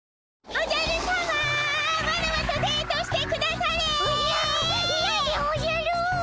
おじゃいやでおじゃる。